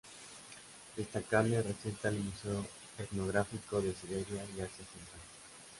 Destacable resulta el Museo etnográfico de Siberia y Asia Central.